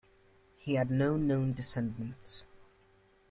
He had no known descendants.